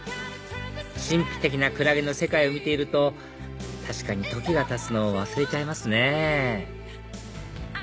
神秘的なクラゲの世界を見ていると確かに時がたつのを忘れちゃいますね